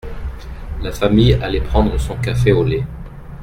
La famille allait prendre son café au lait.